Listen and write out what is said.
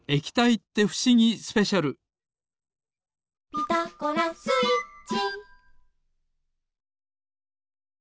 「ピタゴラスイッチ」